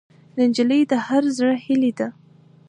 نجلۍ د هر زړه هیلې ده.